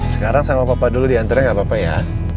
sekarang sama papa dulu diantarin gak apa apa ya